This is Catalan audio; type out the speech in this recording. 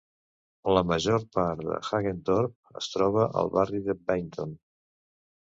La major part de Hackenthorpe es troba al barri de Beighton.